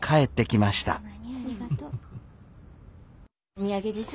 お土産です。